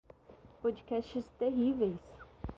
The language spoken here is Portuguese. Podcasts terríveis